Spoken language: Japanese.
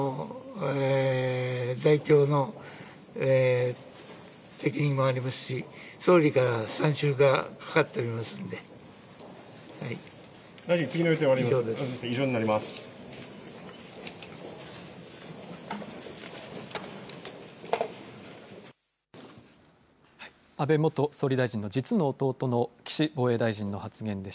在京の責任もありますし総理から参集がかかっておりますので。